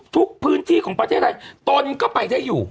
ทุกพื้นที่ของประเทศไทยตนก็ไปได้อยู่